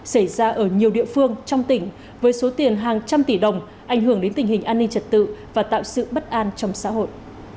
xảy ra ở nhiều địa phương trong tỉnh với số tiền hàng trăm tỷ đồng ảnh hưởng đến tình hình an ninh trật tự và tạo sự bất an trong xã hội